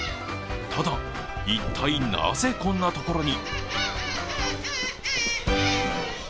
ただ、一体なぜこんなところに？